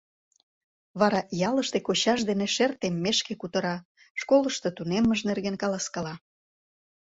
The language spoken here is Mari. Вара ялыште кочаж дене шер теммешке кутыра, школышто тунеммыж нерген каласкала.